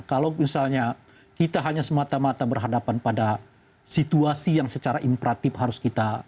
kalau misalnya kita hanya semata mata berhadapan pada situasi yang secara imperatif harus kita